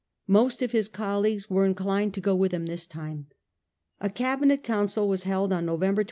Most of his colleagues were inclined to go with him this time. A Cabinet Council was held on November 25 , almost imme 1841 — 6